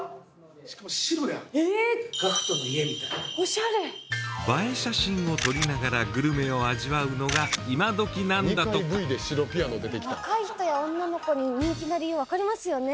しかも白やんオシャレ映え写真を撮りながらグルメを味わうのが今どきなんだとか若い人や女の子に人気な理由わかりますよね